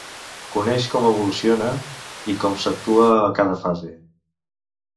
Coneix com evoluciona i com s'actua a cada fase.